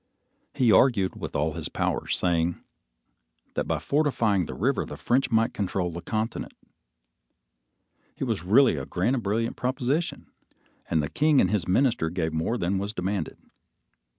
He argued with all his powers, saying that by fortifying the river, the French might control the continent. It was really a grand and brilliant proposition, and the king and his minister gave more than was demanded.